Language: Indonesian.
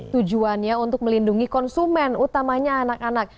tujuannya untuk melindungi konsumen utamanya anak anak